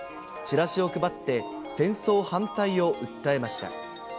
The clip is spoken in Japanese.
チラシを配って、戦争反対を訴えました。